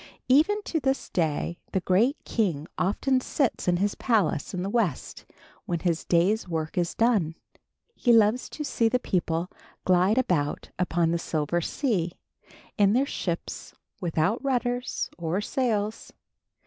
Even to this day, the great king often sits in his palace in the West when his day's work is done. He loves to see the people glide about upon the silver sea, in their ships without rudders or sails.